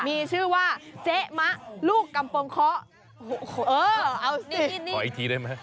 มีชื่อว่าเจ๊มะลูกกำปงเคาะโอ้โหเอานี่ขออีกทีได้ไหม